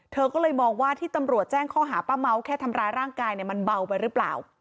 เธอก็เลยมองว่าที่ตำรวจแจ้งข้อหาป้าเม้าแค่ทำร้ายร่างกายเนี่ยมันเบาไปหรือเปล่า